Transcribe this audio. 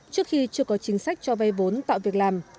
trước khi chưa có chính sách cho vay vốn tạo việc làm